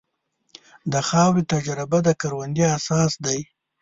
د خاورې تجزیه د کروندې اساس دی.